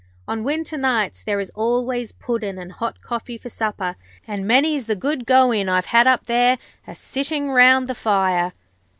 On winter nights there is always Puddin' and hot coffee for supper, and many's the good go in I've had up there, a sitting round the fire.